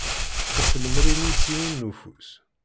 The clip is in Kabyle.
Teṭṭef lemri-nni s yiwen n ufus.